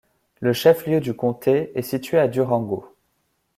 Le chef-lieu du comté est situé à Durango.